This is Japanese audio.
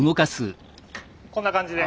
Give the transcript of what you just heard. こんな感じで。